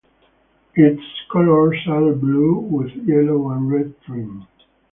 Its colours are blue, with yellow and red trim.